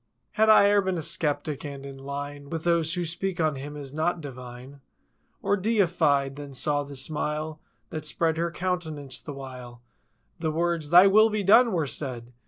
Had I e'er been a skeptic, and in line With those who speak of Him as not divine Or Deified, then saw the smile That spread her countenance the while The words—"Thy will be done!" were said.